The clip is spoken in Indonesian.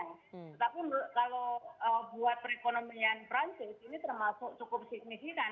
tetapi kalau buat perekonomian perancis ini termasuk cukup signifikan